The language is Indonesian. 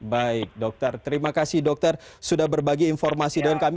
baik dokter terima kasih dokter sudah berbagi informasi dengan kami